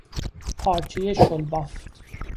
پارچه شلبافت